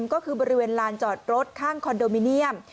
ก็คือบริเวณลานจอดรถข้างคอนโดมิเนียม